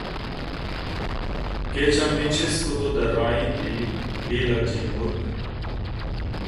کہ چمّے چست کُت ءُ درّائینت ئے بے لجّیں مُرگ